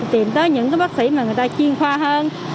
tìm tới những bác sĩ mà người ta chuyên khoa hơn